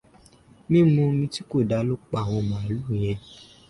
Mímu omi tí kò dáa ló pa àwọn màlúù yẹn.